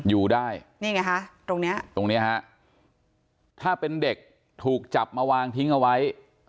อยู่ได้นี่ไงฮะตรงเนี้ยตรงเนี้ยฮะถ้าเป็นเด็กถูกจับมาวางทิ้งเอาไว้